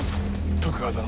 徳川殿。